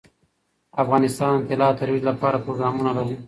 افغانستان د طلا د ترویج لپاره پروګرامونه لري.